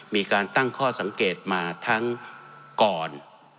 มีการตั้งข้อสังเกตมาทั้งก่อน